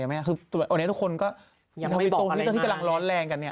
วันนี้ทุกคนก็ที่กำลังร้อนแรงกันเนี่ย